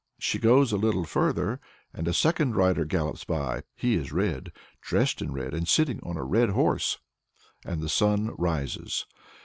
She goes a little further, and a second rider gallops by. He is red, dressed in red, and sitting on a red horse and the sun rises.